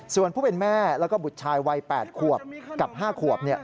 ส่วนผู้เป็นแม่แล้วก็บุตรชายวัย๘ขวบกับ๕ขวบ